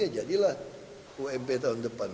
ya jadilah ump tahun depan